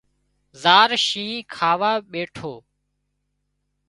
زار شينهن کاوا ٻيٺو